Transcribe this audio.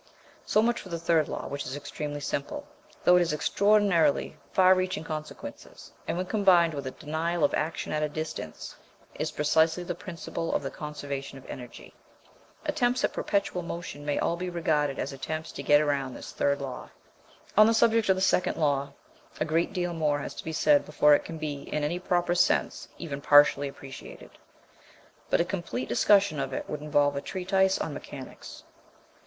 So much for the third law, which is extremely simple, though it has extraordinarily far reaching consequences, and when combined with a denial of "action at a distance," is precisely the principle of the Conservation of Energy. Attempts at perpetual motion may all be regarded as attempts to get round this "third law." [Illustration: FIG. 57.] On the subject of the second law a great deal more has to be said before it can be in any proper sense even partially appreciated, but a complete discussion of it would involve a treatise on mechanics.